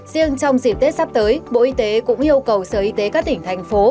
riêng trong dịp tết sắp tới bộ y tế cũng yêu cầu sở y tế các tỉnh thành phố